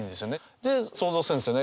で想像するんですよね。